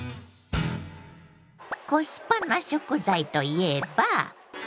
コスパな食材といえば。